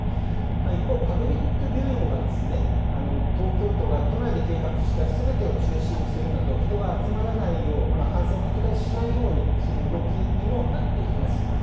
一方、パブリックビューイングは、東京都が都内で計画したすべてを中止にするなど、人が集まらないよう、感染を拡大しないようにする動きにもなっています。